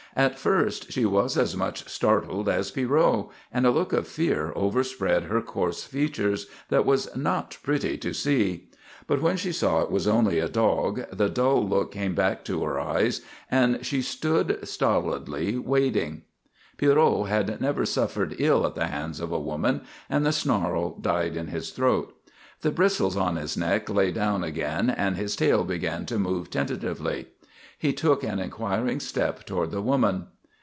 At first she was as much startled as Pierrot, and a look of fear overspread her coarse features that was not pretty to see. But when she saw it was only a dog, the dull look came back to her eyes and she stood stolidly waiting. Pierrot had never suffered ill at the hands of a woman, and the snarl died in his throat. The bristles on his neck lay down again and his tail began to move tentatively. He took an inquiring step toward the woman.